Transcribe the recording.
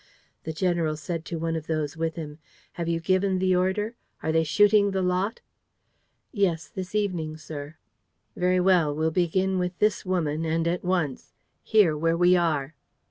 The general said to one of those with him: "Have you given the order? Are they shooting the lot?" "Yes, this evening, sir." "Very well, we'll begin with this woman. And at once. Here, where we are."